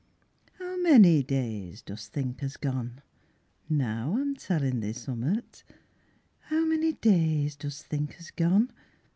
How many days dost think has gone? Now I'm tellin' thee summat. How many days dost think has gone?